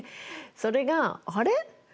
それがあれ？